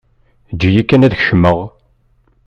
Eǧǧ-iyi kan ad kecmeɣ.